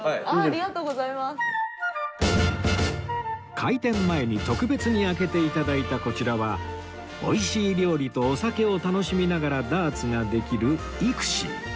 開店前に特別に開けて頂いたこちらは美味しい料理とお酒を楽しみながらダーツができる ＩＸＩ